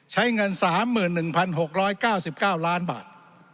ใช้เงิน๓๑๖๙๙ล้านบาท